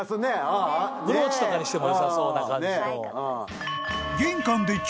ブローチとかにしてもよさそうな感じの。